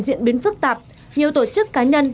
diễn biến phức tạp nhiều tổ chức cá nhân